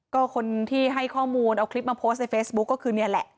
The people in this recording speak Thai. ก็คนที่ให้ข้อมูลเอาคลิปมาโพสต์ในเฟซบุ๊คก็คือนี่แหละ